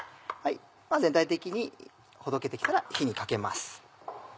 全体的にほどけて来たら火にかけます。